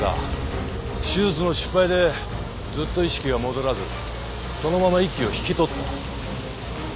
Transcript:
手術の失敗でずっと意識が戻らずそのまま息を引き取った。